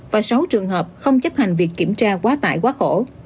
và sáu trường hợp không chấp hành việc kiểm tra quá tải quá khổ